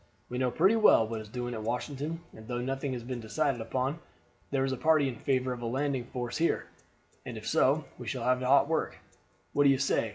"We know pretty well what is doing at Washington, and though nothing has been decided upon, there is a party in favor of a landing in force here; and if so, we shall have hot work. What do you say?